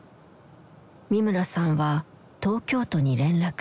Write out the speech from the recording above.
三村さんは東京都に連絡した。